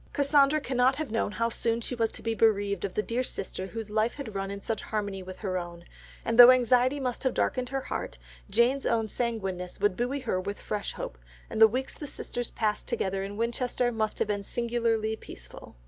Cassandra cannot have known how soon she was to be bereaved of that dear sister whose life had run in such harmony with her own, and though anxiety must have darkened her heart, Jane's own sanguineness would buoy her with fresh hope, and the weeks the sisters passed together in Winchester must have been singularly peaceful.